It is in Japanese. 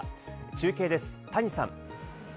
中継です、谷さん。